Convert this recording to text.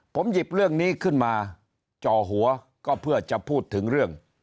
ผมหยิบเรื่องนี้ขึ้นมาจ่อหัวก็เพื่อจะพูดถึงเรื่อง